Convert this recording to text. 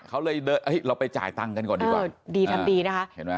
เขาเลยเราไปจ่ายตังค์กันก่อนดีกว่าเออดีทำดีนะคะเห็นไหม